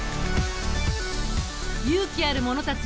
勇気ある者たちよ